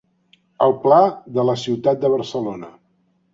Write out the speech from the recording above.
El pla de la ciutat de Barcelona.